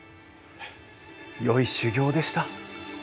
よい修行でした。